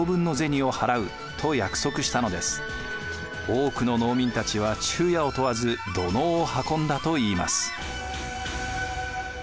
多くの農民たちは昼夜を問わず土のうを運んだといいます。